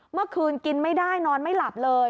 เมื่อคืนกินไม่ได้นอนไม่หลับเลย